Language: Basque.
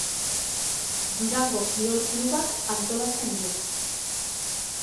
Durango Kirol Klubak antolatzen du.